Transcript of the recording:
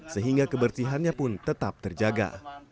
sehingga kebersihannya pun tetap terjaga